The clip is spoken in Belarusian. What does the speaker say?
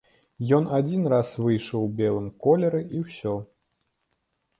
Ён адзін раз выйшаў у белым колеры і ўсё.